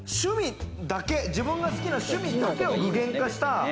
自分が好きな趣味だけを具現化した。